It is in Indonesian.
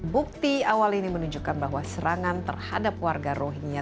bukti awal ini menunjukkan bahwa serangan terhadap warga rohingya